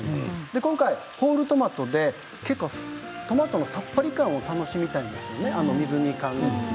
今回、ホールトマトで結構トマトのさっぱり感を楽しみたいんですね、水煮缶で。